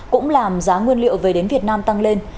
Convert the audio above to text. cũng làm giá nguyên liệu về đến việt nam tăng lên